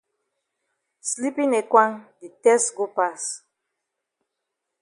Sleepin ekwang di tess go pass.